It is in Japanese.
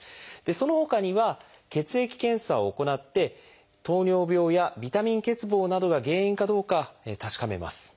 そのほかには「血液検査」を行って糖尿病やビタミン欠乏などが原因かどうか確かめます。